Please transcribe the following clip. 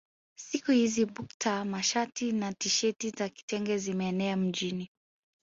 Siku hizi bukta mashati na tisheti za kitenge zimeenea mjini